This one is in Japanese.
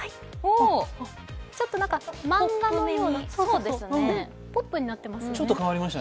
ちょっと何かマンガのような、ポップになっていますね。